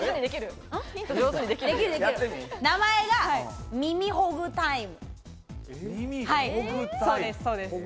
名前が耳ほぐタイム。